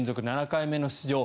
７回目の出場。